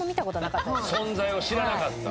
存在を知らなかった。